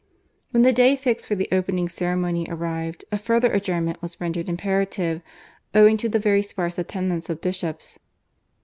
When the day fixed for the opening ceremony arrived, a further adjournment was rendered imperative owing to the very sparse attendance of bishops.